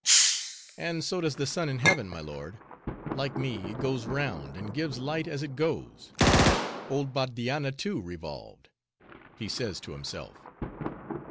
"And so does the sun in heaven, my lord; like me, it goes round, and gives light as it goes. Old Bardianna, too, revolved. He says so himself.